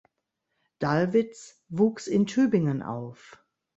Dallwitz wuchs in Tübingen auf.